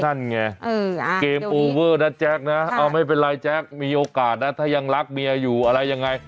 นั่นไงเกมโอเวอร์นะแจ๊คนะไม่เป็นไรแจ๊คมีโอกาสนะถ้ายังรักเมียอยู่อะไรยังไง